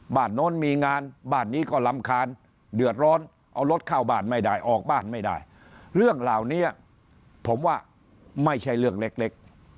โน้นมีงานบ้านนี้ก็รำคาญเดือดร้อนเอารถเข้าบ้านไม่ได้ออกบ้านไม่ได้เรื่องเหล่านี้ผมว่าไม่ใช่เรื่องเล็ก